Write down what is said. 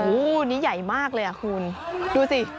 โอ้โหนี่ใหญ่มากเลยอ่ะคุณดูสิ